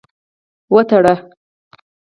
وتړه.